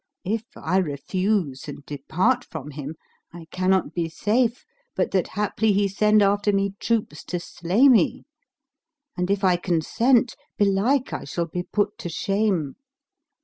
If I refuse and depart from him, I cannot be safe but that haply send after me troops to slay me; and if I consent, belike I shall be put to shame.